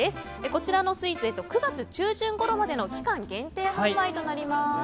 こちらのスイーツ９月中旬ごろまでの期間限定販売となります。